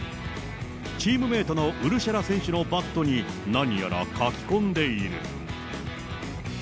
チームメートのウルシェラ選手のバットに、何やら書き込んでいる。